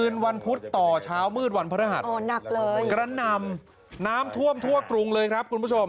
น้ำทว่ำทั่วกรุงเลยครับ